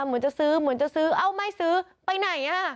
เหมือนจะซื้อเอ้าไม่ซื้อไปไหนอ่ะ